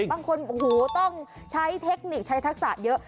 บางคนโอ้โหต้องใช้เทคนิคใช้ทักษะเยอะ